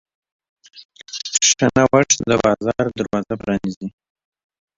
ښه نوښت د بازار دروازه پرانیزي.